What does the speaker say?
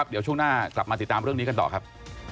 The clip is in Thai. เดี๋ยวช่วงหน้ากลับมาติดตามเรื่องนี้กันต่อครับ